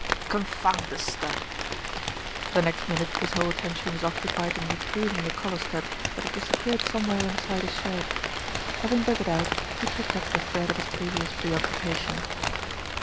"Confound the stud!" For the next minute his whole attention was occupied in retrieving the collar stud that had disappeared some where inside his shirt. Having dug it out, he picked up the thread of his previous preoccupation.